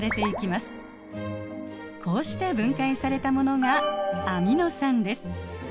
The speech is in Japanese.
こうして分解されたものがアミノ酸です。